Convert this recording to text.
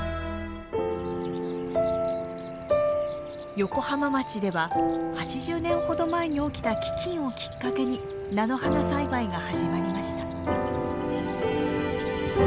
横浜町では８０年ほど前に起きた飢きんをきっかけに菜の花栽培が始まりました。